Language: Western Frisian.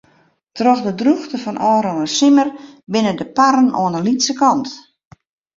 Troch de drûchte fan ôfrûne simmer binne de parren oan de lytse kant.